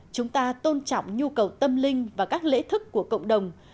chúng ta tôn trọng nhu cầu tâm linh và các lễ thức của cộng đồng